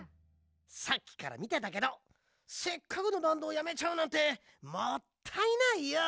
さっきからみてたけどせっかくのバンドをやめちゃうなんてもったいないよ。